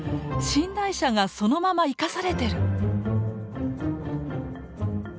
寝台車がそのまま生かされてる。